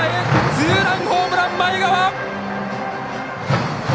ツーランホームラン、前川！